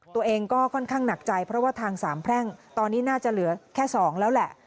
ตัวเองก็ค่อนข้างหนักใจเพราะว่าทางสามแพร่งตอนนี้น่าจะเหลือแค่๒แล้วแหละ